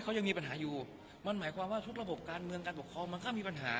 เขายังมีปัญหาอยู่มันหมายความว่าทุกระบบการเมืองการปกครองมันก็มีปัญหา